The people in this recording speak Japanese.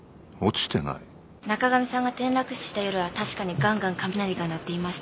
中上さんが転落死した夜は確かにがんがん雷が鳴っていました。